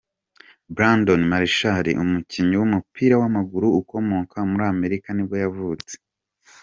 Brandon Marshall, umukinnyi w’umupira w’amaguru ukomoka muri Amerika nibwo yavutse.